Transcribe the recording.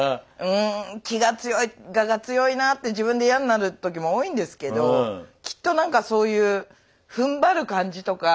うん気が強い我が強いなって自分で嫌になる時も多いんですけどきっと何かそういうふんばる感じとか。